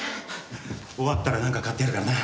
終わったらなんか買ってやるからな。